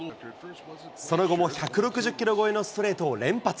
その後も１６０キロ超えのストレートを連発。